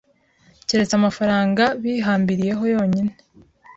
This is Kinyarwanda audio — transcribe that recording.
keretse amafaranga bihambiriyeho yonyine